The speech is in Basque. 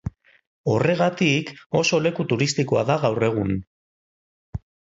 Horregatik oso leku turistikoa da gaur egun.